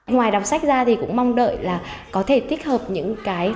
ngoài đọc sách ra thì cũng mong đợi là có thể tích hợp những cái